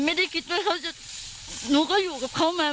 ไม่ได้คิดว่าเขาจะหนูก็อยู่กับเขามา